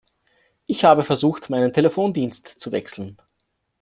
Ich habe versucht, meinen Telefondienst zu wechseln.